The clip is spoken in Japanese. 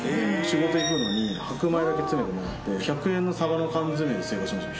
仕事行くのに白米だけ詰めてもらって１００円のサバの缶詰で生活してました。